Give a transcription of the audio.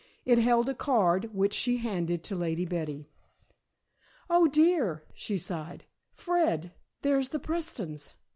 It held a card which she handed to Lady Betty. "Oh, dear!" she sighed. "Fred, there's the Prestons.